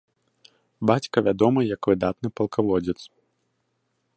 Бацька вядомы як выдатны палкаводзец.